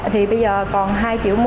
thì bây giờ còn hai triệu một